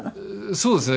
そうですね。